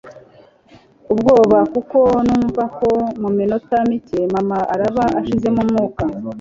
ubwoba kuko numvaga ko muminota mike mama araba ashizemo umwuka